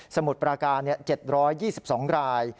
มุดปราการ๗๒๒ราย